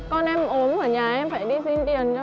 con em ốm ở nhà em phải đi xin tiền